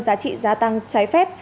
giá trị gia tăng trái phép